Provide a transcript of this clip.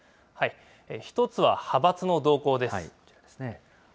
１つは派閥の動向です。